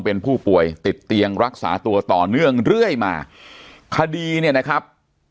เป็นผู้ป่วยติดเตียงรักษาตัวต่อเนื่องเรื่อยมาคดีเนี่ยนะครับ